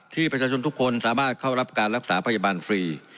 ที่ประชาชนทุกคนสามารถเข้ารับการรักษาพยาบาลฟรี